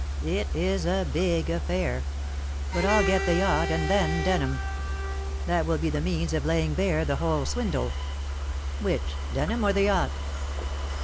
It is a big affair. But I'll get the yacht, and then Denham. That will be the means of laying bare the whole swindle." "Which? Denham or the yacht?"